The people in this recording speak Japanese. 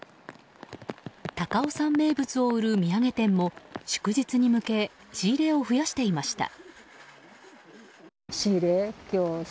高尾山名物を売る土産店も祝日に向け仕入れを増やしていました。